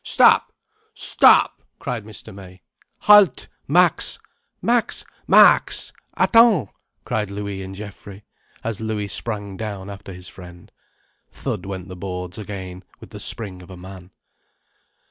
"Stop—stop—!" cried Mr. May. "Halte, Max! Max, Max, attends!" cried Louis and Geoffrey, as Louis sprang down after his friend. Thud went the boards again, with the spring of a man.